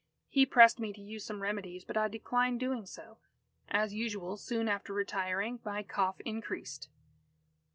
He pressed me to use some remedies, but I declined doing so. As usual, soon after retiring, my cough increased.